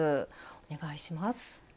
お願いします。